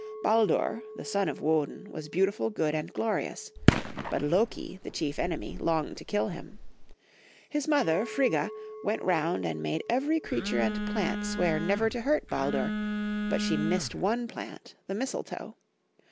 Baldur, the son of Woden, was beautiful, good, and glorious ; but Loki, the chief enemy, longed to kill him. His mother, Frigga, went round and made every crea> tare and plant swear never to hurt Baldur, but she missed one plant, the mistletoe.